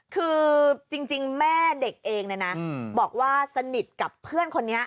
คือจริงแม่เด็กเองเนี่ยนะบอกว่าสนิทกับเพื่อนคนนี้